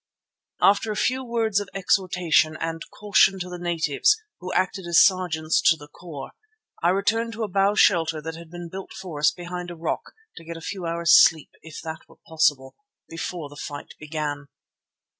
After a few words of exhortation and caution to the natives who acted as sergeants to the corps, I returned to a bough shelter that had been built for us behind a rock to get a few hours' sleep, if that were possible, before the fight began.